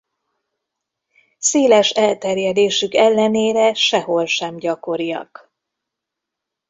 Széles elterjedésük ellenére sehol sem gyakoriak.